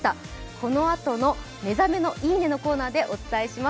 このあとの「目覚めのいい音」のコーナーでお伝えします。